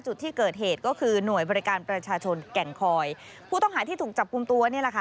จุดที่เกิดเหตุก็คือหน่วยบริการประชาชนแก่งคอยผู้ต้องหาที่ถูกจับกลุ่มตัวนี่แหละค่ะ